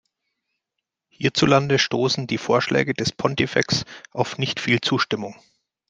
Hierzulande stoßen die Vorschläge des Pontifex auf nicht viel Zustimmung.